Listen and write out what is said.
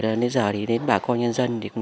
đến giờ thì đến bà con nhân dân thì cũng